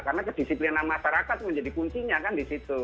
karena kedisiplinan masyarakat menjadi kuncinya kan di situ